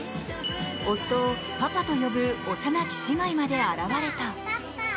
夫をパパと呼ぶ幼き姉妹まで現れた。